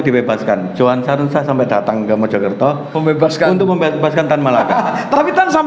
membebaskan johan sarunsa sampai datang ke mojokerto membebaskan untuk membebaskan tan malaka